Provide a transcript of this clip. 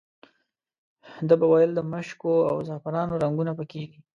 ده به ویل د مشکو او زعفرانو رنګونه په کې دي.